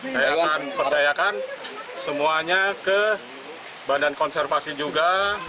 saya akan percayakan semuanya ke badan konservasi juga